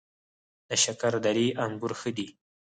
د شکردرې انګور ښه دي